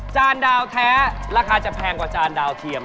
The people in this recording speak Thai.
จานดาวแท้ราคาจะแพงกว่าจานดาวเทียม